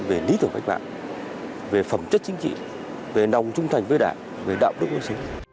về lý tưởng cách mạng về phẩm chất chính trị về nồng trung thành với đảng về đạo đức quân sinh